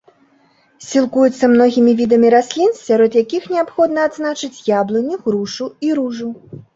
Сілкуецца многімі відамі раслін, сярод якіх неабходна адзначыць яблыню, грушу і ружу.